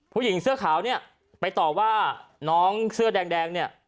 ผู้หญิงเสื้อขาวเนี่ยไปต่อว่าน้องเสื้อแดงเนี่ย